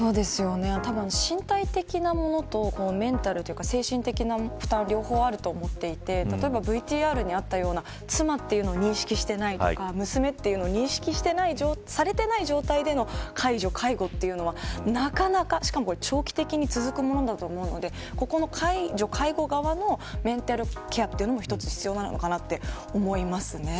たぶん身体的なものとメンタルというか、精神的な負担両方あると思っていて例えばＶＴＲにあったような妻というのを認識していないとか娘っていうのを認識されていない状態での介護というのはなかなか、しかも長期的に続くものだと思うので介助、介護側のメンタルケアというのも１つ必要なのかなと思いますね。